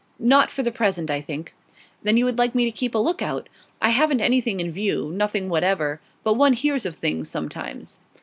'Not for the present, I think.' 'Then you would like me to keep a look out? I haven't anything in view nothing whatever. But one hears of things sometimes.